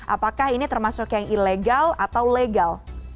apakah ini termasuk yang ilegal atau legal